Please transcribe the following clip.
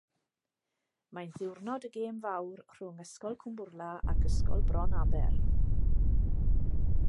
Mae'n ddiwrnod y gêm fawr rhwng Ysgol Cwmbwrla ac Ysgol Bronaber.